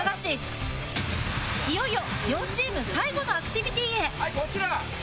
いよいよ両チーム最後のアクティビティへ